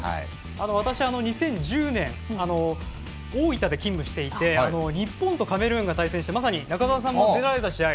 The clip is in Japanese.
私、２０１０年大分で勤務していて日本とカメルーンが対戦してまさに中澤さんが出られた試合。